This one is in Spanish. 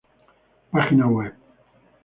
Página web